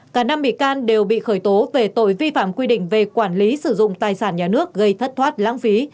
cả năm bị can đều bị khởi tố về tội vi phạm quy định về quản lý sử dụng tài sản nhà nước gây thất thoát lãng phí